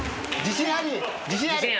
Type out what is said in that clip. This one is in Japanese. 自信ある。